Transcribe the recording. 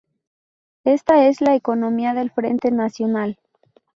Esta es la economía del Frente Nacional.